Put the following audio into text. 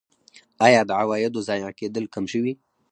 آیا د عوایدو ضایع کیدل کم شوي؟